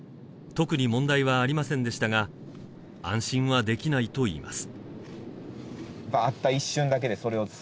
特に問題はありませんでしたが安心はできないといいます